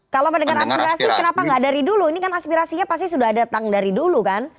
kalau mendengar aspirasi kenapa nggak dari dulu ini kan aspirasinya pasti sudah datang dari dulu kan